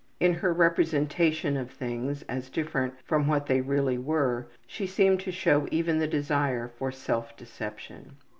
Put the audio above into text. In her representation of things as different from what they really were she seemed to show even the desire for self deception.